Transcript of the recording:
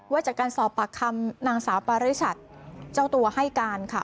จากการสอบปากคำนางสาวปาริชัดเจ้าตัวให้การค่ะ